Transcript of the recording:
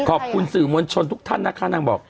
ขอบคุณสื่อมวลชนทุกท่านนะคะนางบอก